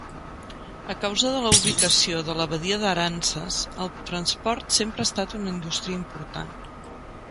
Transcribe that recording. A causa de la ubicació de la badia d'Aransas, el transport sempre ha estat una indústria important.